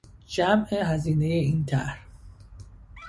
جمع هزینهی این طرح